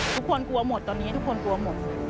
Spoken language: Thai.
ทุกคนกลัวหมดตอนนี้ทุกคนกลัวหมด